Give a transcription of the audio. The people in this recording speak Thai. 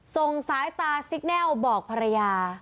ส่งสายตาซิกแนลบอกภรรยา